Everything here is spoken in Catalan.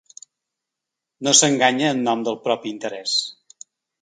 No s’enganya en nom del propi interès.